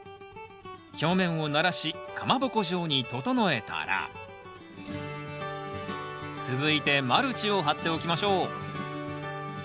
表面をならしかまぼこ状に整えたら続いてマルチを張っておきましょう